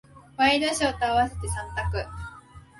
ワイドショーと合わせて三択。